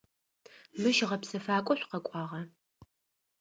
Мыщ гъэпсэфакӏо шъукъэкӏуагъа?